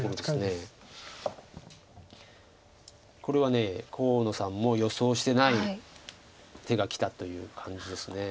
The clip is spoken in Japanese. これは河野さんも予想してない手がきたという感じです。